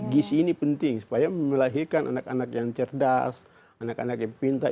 gisi ini penting supaya melahirkan anak anak yang cerdas anak anak yang pintar